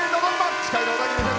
司会の小田切千です。